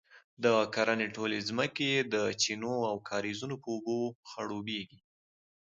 د کرنې ټولې ځمکې یې د چینو او کاریزونو په اوبو خړوبیږي،